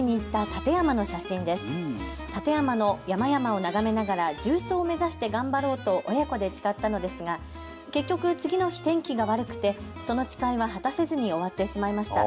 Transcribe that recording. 立山の山々を眺めながら縦走を目指して頑張ろうと親子で誓ったのですが結局、次の日天気が悪くてその誓いは果たせずに終わってしまいました。